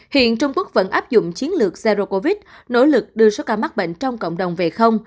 hiện trung quốc vẫn áp dụng chiến lược zero covid nỗ lực đưa số ca mắc bệnh trong cộng đồng về không